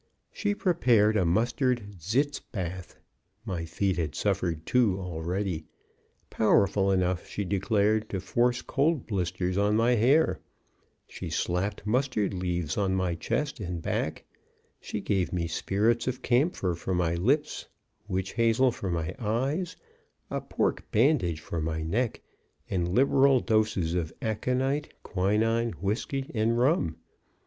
She prepared a mustard sitz bath (my feet had suffered two already) powerful enough, she declared, to force cold blisters on my hair; she slapped mustard leaves on my chest and back; she gave me spirits of camphor for my lips, witch hazel for my eyes, a pork bandage for my neck, and liberal doses of aconite, quinine, whiskey and rum.